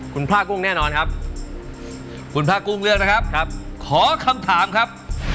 คุณผ้ากุ้งแน่นอนครับคุณผ้ากุ้งเลือกนะครับครับขอคำถามครับ